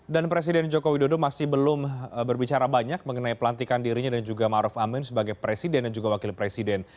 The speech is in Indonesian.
dan presiden joko widodo masih belum berbicara banyak mengenai pelantikan dirinya dan juga ma'ruf amin sebagai presiden dan juga wakil presiden